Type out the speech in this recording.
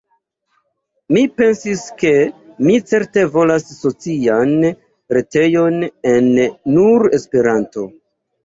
Mi pensis ke mi certe volas socian retejon en nur Esperanto.